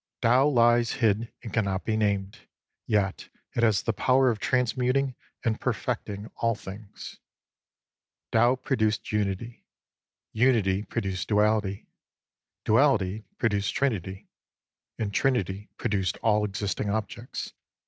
Tao lies hid and cannot be named, yet it has the power of transmuting and perfecting all things. Tao produced Unity ; Unity produced Duality ; Duality produced Trinity ; and Trinity produced all existing objects.